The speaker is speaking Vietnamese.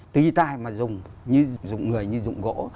tùy tài mà dùng như dùng người như dùng gỗ